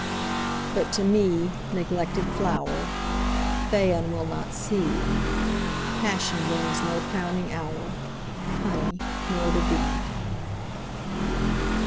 But to me, neglected flower, Phaon will not see, Passion brings no crowning hour, Honey nor the bee.